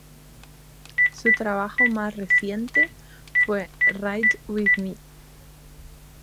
Su trabajo más reciente fue "Ride With Me!